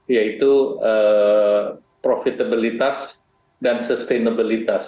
yaitu profitabilitas dan sustainability